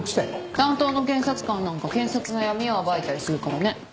担当の検察官なんか検察の闇を暴いたりするからね。